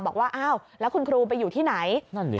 บอกว่าอ้าวแล้วคุณครูไปอยู่ที่ไหน